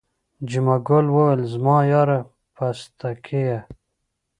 جمعه ګل وویل زما یاره پستکیه.